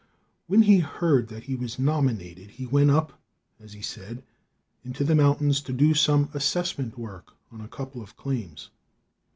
When he heard that he was nominated, he went up, as he said, into the mountains to do some assessment work on a couple of claims.